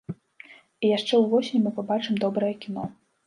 І яшчэ ўвосень мы пабачым добрае кіно.